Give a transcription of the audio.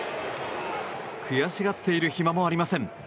悔しがってる暇もありません。